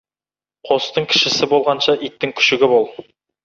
Қостың кішісі болғанша, иттің күшігі бол.